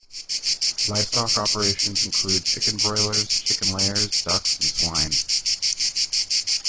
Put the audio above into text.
Livestock operations include chicken broilers, chicken layers, ducks, and swine.